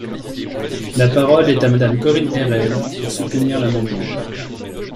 La parole est à Madame Corinne Erhel, pour soutenir l’amendement.